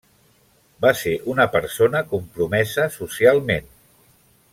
Va ser una persona compromesa socialment.